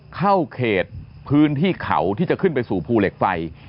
เข้าเขตพื้นที่เขาที่จะขึ้นไปสู่ภูเหล็กไฟ